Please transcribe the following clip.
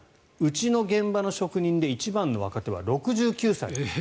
うちの現場の職人で一番若手は６９歳。